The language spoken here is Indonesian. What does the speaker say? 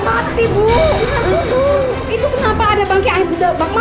ah angesi gitu aku mampus akbavan ah gini simpel nggak ya